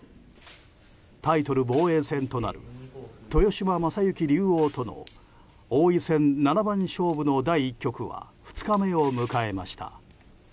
タイトル防衛戦となる豊島将之竜王との王位戦七番勝負の第１局は２日目を迎えました。